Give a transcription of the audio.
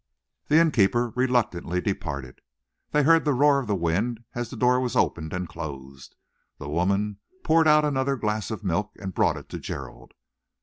The innkeeper reluctantly departed. They heard the roar of the wind as the door was opened and closed. The woman poured out another glass of milk and brought it to Gerald.